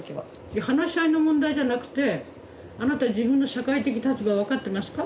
いや話し合いの問題じゃなくてあなた自分の社会的立場分かってますか？